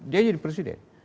dia jadi presiden